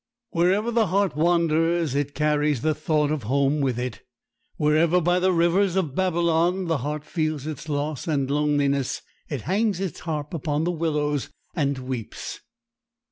Wherever the heart wanders it carries the thought of home with it. Wherever by the rivers of Babylon the heart feels its loss and loneliness, it hangs its harp upon the willows, and weeps.